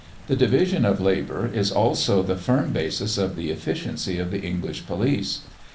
The division of labour is also the firm basis of the efficiency of the English police.